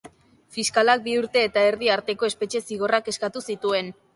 Fiskalak bi urte eta erdi arteko espetxe zigorrak eskatu zituen.